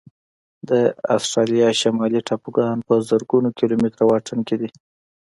د استرالیا شمالي ټاپوګان په زرګونو کيلومتره واټن کې دي.